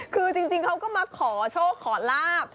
คือจริงเขาก็มาขอโชคขอลาบ